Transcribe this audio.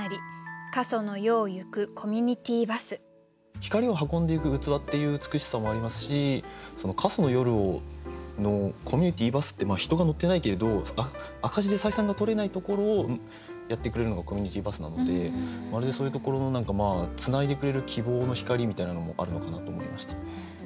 光を運んでいく器っていう美しさもありますし過疎の夜のコミュニティバスって人が乗っていないけれど赤字で採算がとれないところをやってくれるのがコミュニティバスなのでまるでそういうところの何かまあつないでくれる希望の光みたいなのもあるのかなと思いました。